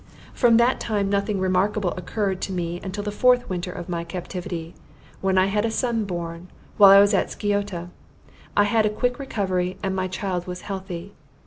From that time, nothing remarkable occurred to me till the fourth winter of my captivity, when I had a son born, while I was at Sciota: I had a quick recovery, and my child was healthy.